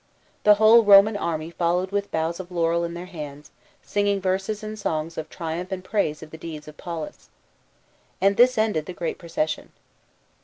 The whole Roman army followed with boughs of laurel in their hands, singing verses and songs" of triumph in praise of the deeds of Paulus. And this ended the great procession.